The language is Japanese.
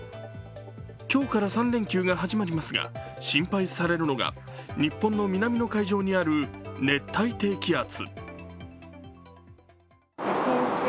今日から３連休が始まりますが、心配されるのが日本の南の海上にある熱帯低気圧。